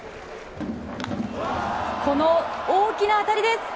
この大きな当たりです！